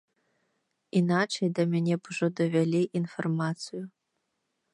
Іначай да мяне б ужо давялі інфармацыю.